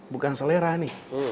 bukan selera nih